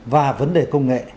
và vấn đề công nghệ